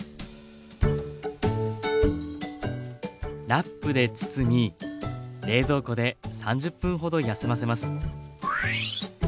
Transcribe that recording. ラップで包み冷蔵庫で３０分ほど休ませます。